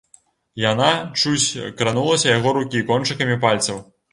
Яна чуць кранулася яго рукі кончыкамі пальцаў.